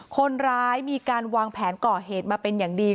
คนร้ายมีการวางแผนก่อเหตุมาเป็นอย่างดี